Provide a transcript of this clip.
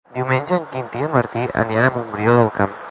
Diumenge en Quintí i en Martí aniran a Montbrió del Camp.